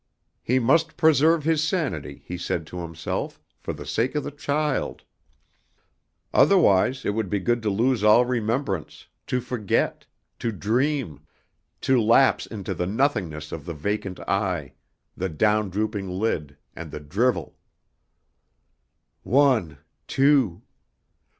He must preserve his sanity, he said to himself, for the sake of the child. Otherwise it would be good to lose all remembrance, to forget, to dream, to lapse into the nothingness of the vacant eye, the down drooping lid and the drivel. "One, two.